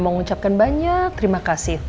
mau ngucapkan banyak terima kasih